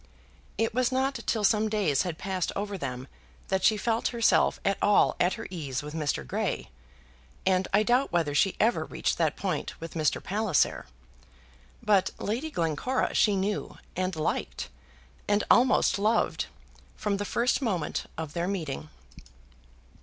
It was not till some days had passed over them that she felt herself at all at her ease with Mr. Grey, and I doubt whether she ever reached that point with Mr. Palliser; but Lady Glencora she knew, and liked, and almost loved, from the first moment of their meeting.